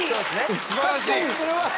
素晴らしい。